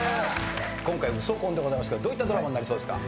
今回『ウソ婚』でございますけどどういったドラマになりそうですか？